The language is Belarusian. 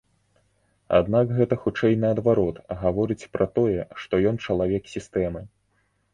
Аднак гэта хутчэй, наадварот, гаворыць пра тое, што ён чалавек сістэмы.